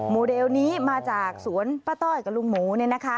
โมเดลนี้มาจากสวนป้าต้อยกับลุงหมู